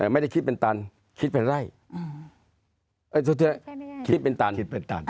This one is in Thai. ไม่คิดเป็นตันคิดเป็นไร่